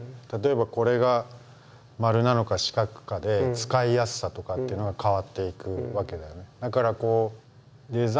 例えばこれが丸なのか四角かで使いやすさとかっていうのが変わっていくわけだよね。